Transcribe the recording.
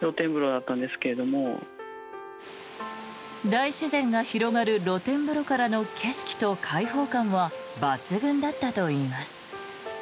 大自然が広がる露天風呂からの景色と開放感は抜群だったといいます。